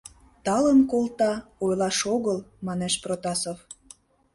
Талын колта, ойлаш огыл, — манеш Протасов.